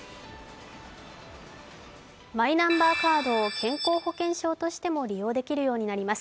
マイナンバーカードを健康保険証としても利用できるようになります。